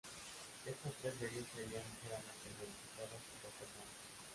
Estas tres leyes serían ligeramente modificadas o reformadas.